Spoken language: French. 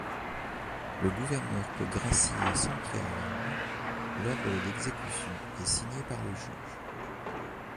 Le gouverneur peut gracier sans préalable, l'ordre d'exécution est signé par le juge.